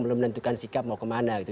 belum menentukan sikap mau kemana gitu